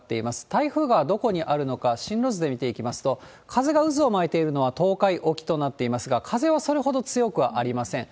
台風がどこにあるのか、進路図で見ていきますと、風が渦を巻いているのは東海沖となっていますが、風はそれほど強くはありません。